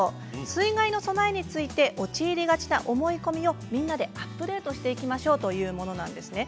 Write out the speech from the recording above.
水害の備えについて陥りがちな思い込みをみんなでアップデートしていきましょうというものなんですね。